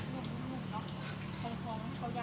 สุดท้ายสุดท้ายสุดท้าย